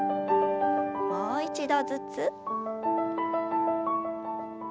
もう一度ずつ。